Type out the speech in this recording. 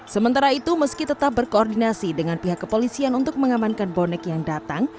sementara itu meski tetap berkoordinasi dengan pihak kepolisian untuk mengamankan bonek yang datang